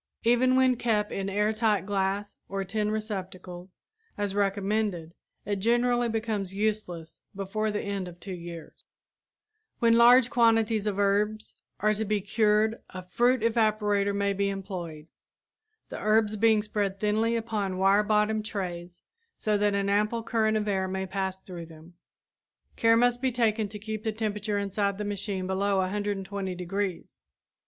Even when kept in air tight glass or tin receptacles, as recommended, it generally becomes useless before the end of two years. [Illustration: Paper Sacks of Dried Herbs for Home Use] When large quantities of herbs are to be cured a fruit evaporator may be employed, the herbs being spread thinly upon wire bottomed trays so that an ample current of air may pass through them. Care must be taken to keep the temperature inside the machine below 120 degrees.